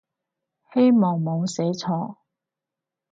希望冇寫錯